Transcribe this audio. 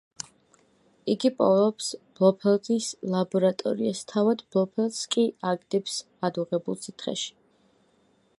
იგი პოულობს ბლოფელდის ლაბორატორიას, თავად ბლოფელდს კი აგდებს ადუღებულ სითხეში.